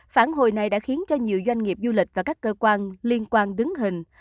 phản hồi này đã khiến cho nhiều doanh nghiệp du lịch và các cơ quan liên quan đứng hình